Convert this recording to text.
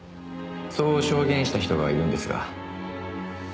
そう証言した人がいるんですが。